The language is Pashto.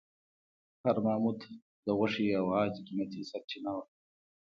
هر ماموت د غوښې او عاج قیمتي سرچینه وه.